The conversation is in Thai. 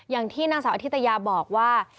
อย่างที่นางสาวอธิตยาบอกว่า